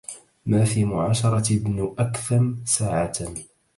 ما في معاشرة ابن أكثم ساعة